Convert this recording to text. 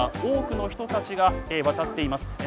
多くの人たちがわたっています。